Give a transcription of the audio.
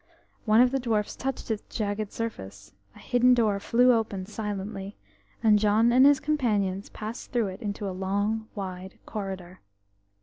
One of the dwarfs touched its jagged surface; a hidden door flew open silently, and John and his companions passed through it into a long wide corridor.